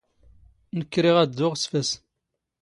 ⵏⴽⴽ ⵔⵉⵖ ⴰⴷ ⴷⴷⵓⵖ ⵙ ⴼⴰⵙ.